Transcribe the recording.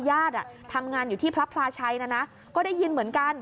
ญาติทำงานอยู่ที่พระพลาชัยนะนะก็ได้ยินเหมือนกัน